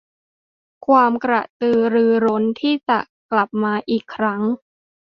ความกระตือรือร้นที่จะกลับมาอีกครั้ง